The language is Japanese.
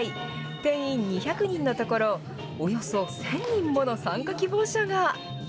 定員２００人のところ、およそ１０００人もの参加希望者が。